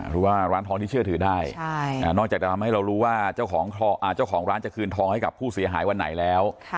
หรือว่าร้านทองที่เชื่อถือได้นอกจากจะทำให้เรารู้ว่าเจ้าของร้านจะคืนทองให้กับผู้เสียหายวันไหนแล้ว